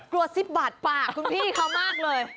ซิบบาดปากคุณพี่เขามากเลย